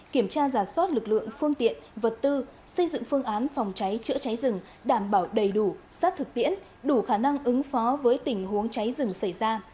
kiểm tra giả soát lực lượng phương tiện vật tư xây dựng phương án phòng cháy chữa cháy rừng đảm bảo đầy đủ sát thực tiễn đủ khả năng ứng phó với tình huống cháy rừng xảy ra